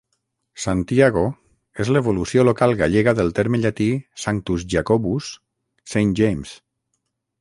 "Santiago" és l"evolució local gallega del terme llatí "Sanctus Iacobus" "Saint James".